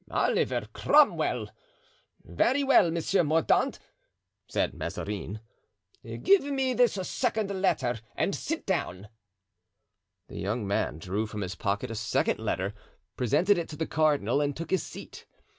"Oliver Cromwell." "Very well, Monsieur Mordaunt," said Mazarin, "give me this second letter and sit down." The young man drew from his pocket a second letter, presented it to the cardinal, and took his seat.